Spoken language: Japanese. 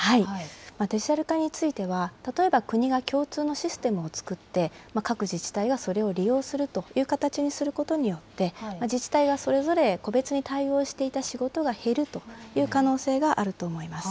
デジタル化については、例えば国が共通のシステムを作って、各自治体がそれを利用するという形にすることによって、自治体がそれぞれ個別に対応していた仕事が減るという可能性があると思います。